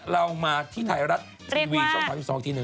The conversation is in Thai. เรามาที่ไทยรัฐทวีย์ช่อง๒๒ที่๑